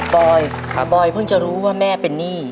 บอยบอยเพิ่งจะรู้ว่าแม่เป็นหนี้